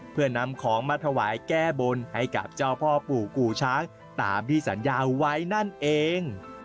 เพื่อนำของมาถวายแก้บนให้กับเจ้าพ่อปู่กู่ช้างตามที่สัญญาไว้นั่นเอง